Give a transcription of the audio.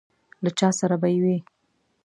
له چا سره به یې وي.